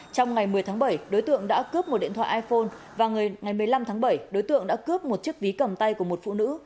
trong ngày một mươi tháng bảy đối tượng đã cướp một điện thoại iphone và ngày một mươi năm tháng bảy đối tượng đã cướp một chiếc ví cầm tay của một phụ nữ